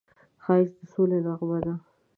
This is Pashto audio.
ښایست د سولې نغمه ده